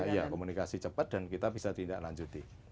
ya komunikasi cepat dan kita bisa tindak lanjuti